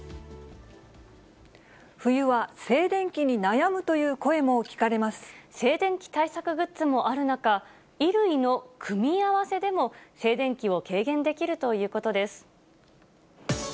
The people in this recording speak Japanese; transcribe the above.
冬は静電気に悩むという声も静電気対策グッズもある中、衣類の組み合わせでも静電気を軽減できるということです。